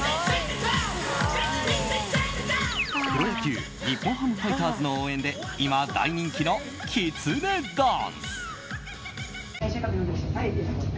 プロ野球日本ハムファイターズの応援で今、大人気のきつねダンス。